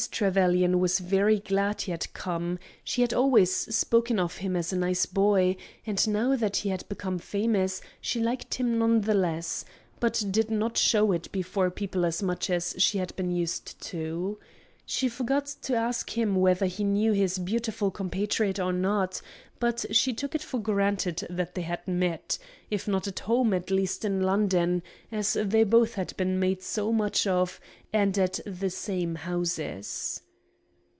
Trevelyan was very glad he had come; she had always spoken of him as a nice boy, and now that he had become famous she liked him none the less, but did not show it before people as much as she had been used to do. She forgot to ask him whether he knew his beautiful compatriot or not; but she took it for granted that they had met, if not at home, at least in London, as they had both been made so much of, and at the same houses.